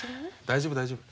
大丈夫大丈夫。